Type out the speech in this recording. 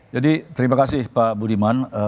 jadi terima kasih pak budiman